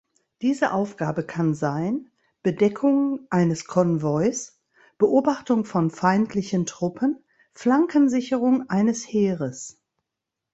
Diese Aufgabe kann sein: Bedeckung eines Konvois, Beobachtung von feindlichen Truppen, Flankensicherung eines Heeres.